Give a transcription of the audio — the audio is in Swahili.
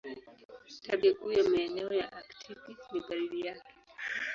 Tabia kuu ya maeneo ya Aktiki ni baridi yake.